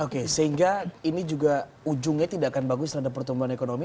oke sehingga ini juga ujungnya tidak akan bagus terhadap pertumbuhan ekonomi